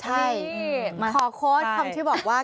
ใช่ขอโค้ดคำที่บอกว่า